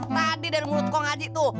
tadi dari mulut kau ngaji tuh